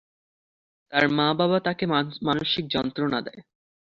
তার মা-বাবা তাকে মানসিক যন্ত্রণা দেয়।